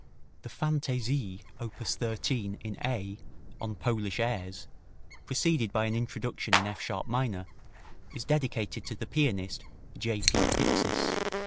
The Fantaisie, op 13, in A, on Polish airs, preceded by an introduction in F sharp minor, is dedicated to the pianist J. P. Pixis.